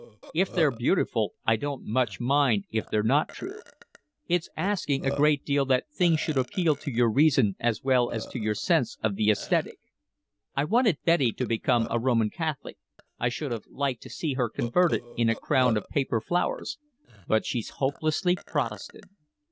"If they're beautiful I don't much mind if they're not true. It's asking a great deal that things should appeal to your reason as well as to your sense of the aesthetic. I wanted Betty to become a Roman Catholic, I should have liked to see her converted in a crown of paper flowers, but she's hopelessly Protestant.